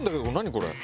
これ。